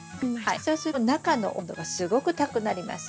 そうすると中の温度がすごく高くなります。